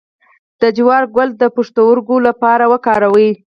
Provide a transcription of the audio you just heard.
د جوار ګل د پښتورګو لپاره وکاروئ